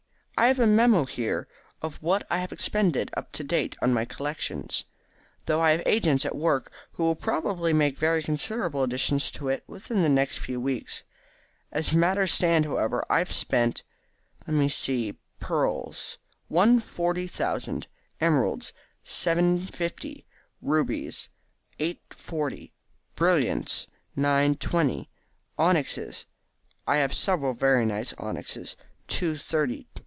I have a memo. here of what I have expended up to date on my collection, though I have agents at work who will probably make very considerable additions to it within the next few weeks. As matters stand, however, I have spent let me see pearls one forty thousand; emeralds, seven fifty; rubies, eight forty; brilliants, nine twenty; onyxes I have several very nice onyxes two thirty.